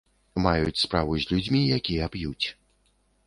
Маюць справу з людзьмі, якія п'юць.